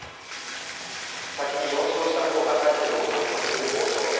先に４勝した方がタイトルを獲得する王将戦。